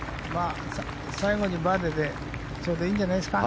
最後にバーディーでちょうどいいんじゃないですか。